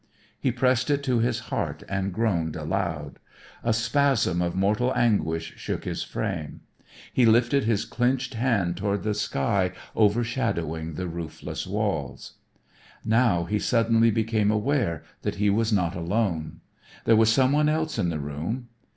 He pressed it to his heart and groaned aloud. A spasm of mortal anguish shook his frame. He lifted his clenched hand toward the sky overshadowing the roofless walls. Now he suddenly became aware that he was not alone. There was someone else in the room.